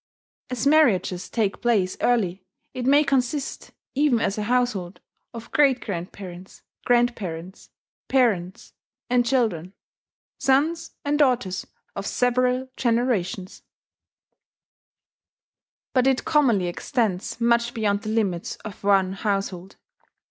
As marriages take place early, it may consist, even as a household, of great grandparents, grandparents, parents, and children sons and daughters of several generations; but it commonly extends much beyond the limits of one household.